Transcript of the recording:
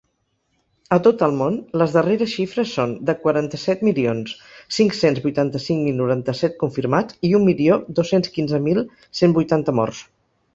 A tot el món, les darreres xifres són de quaranta-set milions cinc-cents vuitanta-cinc mil noranta-set confirmats i un milió dos-cents quinze mil cent vuitanta morts.